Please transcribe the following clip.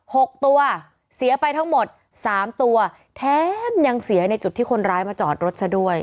หกตัวเสียไปทั้งหมดสามตัวแถมยังเสียในจุดที่คนร้ายมาจอดรถซะด้วย